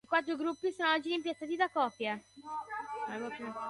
I quattro gruppi sono oggi rimpiazzati da copie.